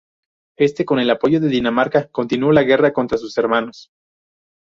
Éste, con el apoyo de Dinamarca, continuó la guerra contra sus hermanos.